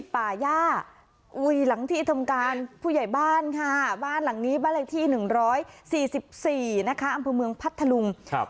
ป่าย่าอุยหลังที่ทำการผู้ใหญ่บ้านค่ะบ้านหลังนี้บ้านเลขที่๑๔๔นะคะอำเภอเมืองพัทธลุง